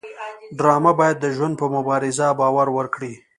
ډرامه باید د ژوند په مبارزه باور ورکړي